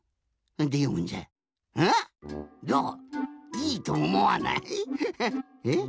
いいとおもわない？え？